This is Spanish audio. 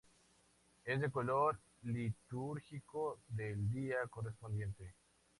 Es del color litúrgico del día correspondiente.